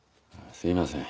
すいません